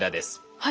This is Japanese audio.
はい。